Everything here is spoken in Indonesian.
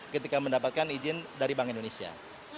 ketika mendapatkan izin dari bank indonesia